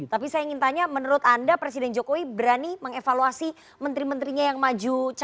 tapi saya ingin tanya menurut anda presiden jokowi berani mengevaluasi menteri menterinya yang maju